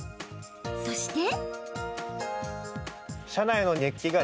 そして。